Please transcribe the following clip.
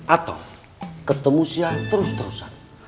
atau ketemu sia terus terusan